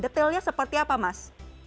detilnya seperti apa mas